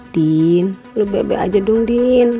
din lo bebek aja dong din